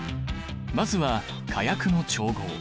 まずは火薬の調合。